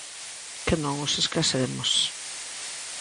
Que non os esquecemos.